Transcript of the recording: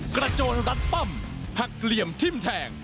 โจรรัดปั้มหักเหลี่ยมทิ้มแทง